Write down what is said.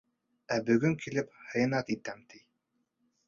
Ә бөгөн килеп, хыянат итәм, ти.